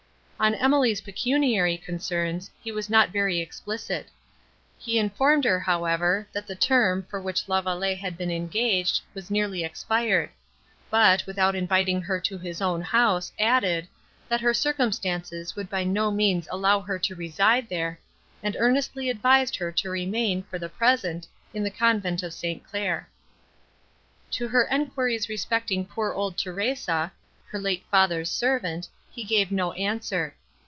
On Emily's pecuniary concerns, he was not very explicit; he informed her, however, that the term, for which La Vallée had been engaged, was nearly expired; but, without inviting her to his own house, added, that her circumstances would by no means allow her to reside there, and earnestly advised her to remain, for the present, in the convent of St. Claire. To her enquiries respecting poor old Theresa, her late father's servant, he gave no answer.